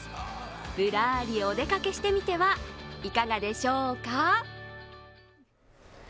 ぶらりお出かけしてみてはいかがでしょうか？